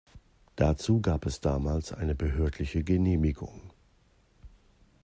Dazu gab es damals eine behördliche Genehmigung.